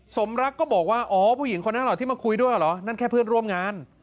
สมรักก็บอกว่าอ๋อผู้หญิงคนนั้นเหรอที่มาคุยด้วยเหรอนั่นแค่เพื่อนร่วมงาน